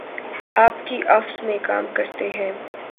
آپ کی آفس میں کام کرتے ہیں۔